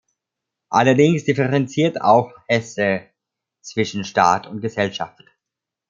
Allerdings differenziert auch Hesse zwischen Staat und Gesellschaft.